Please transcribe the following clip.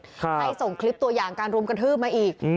ให้ส่งคลิปตัวอย่างการรุมกระทืบมาอีก